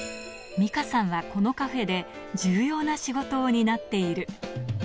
ミカさんは、このカフェで重要な仕事を担っている。